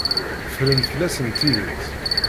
Ffren fell-asen tidet.